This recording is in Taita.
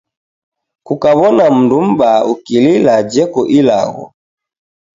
Kukawona mndu mbaa ukilila jeko ilagho.